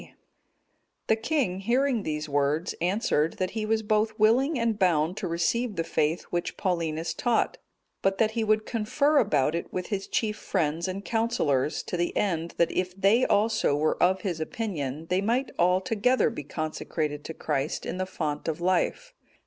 D.] The king, hearing these words, answered, that he was both willing and bound to receive the faith which Paulinus taught; but that he would confer about it with his chief friends and counsellors, to the end that if they also were of his opinion, they might all together be consecrated to Christ in the font of life.